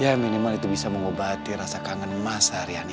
ya minimal itu bisa mengobati rasa kangen mas hariani